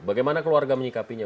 bagaimana keluarga menyikapinya